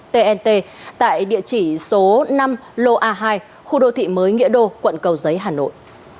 tnt tại địa chỉ số năm lô a hai khu đô thị mới nghĩa đô quận cầu giấy hà nội